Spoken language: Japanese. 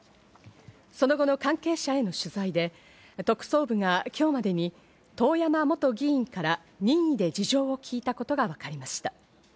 その後の関係者への取材で特捜部が今日までに遠山元議員から任意で事情を聞いたことがわかりました。